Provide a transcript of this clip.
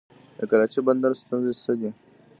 د کراچۍ بندر ستونزې څه دي؟